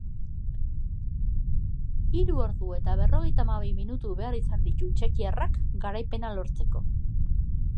Hiru ordu eta berrogeita hamabi minutu behar izan ditu txekiarrak, garaipena lortzeko.